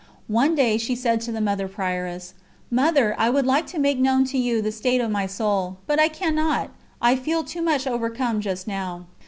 One day she said to the Mother Prioress: "Mother, I would like to make known to you the state of my soul; but I cannot, I feel too much overcome just now."